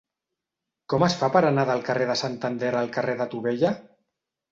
Com es fa per anar del carrer de Santander al carrer de Tubella?